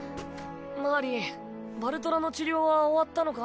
マーリンバルトラの治療は終わったのか？